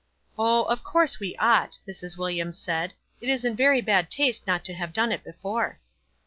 "Oh, of course we ought," Mrs. Williams said. "It was in very bad taste not to have done it before."